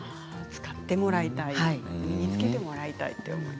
使ってもらいたい身につけてもらいたい。